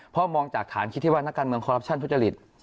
เพราะมองจากฐานคิดที่ว่านักการเมืองคอรัปชั่นทุจริต